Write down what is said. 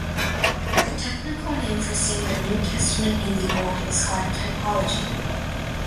The technical name for seeing the New Testament in the Old is called "typology".